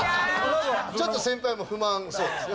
ちょっと先輩も不満そうですよ。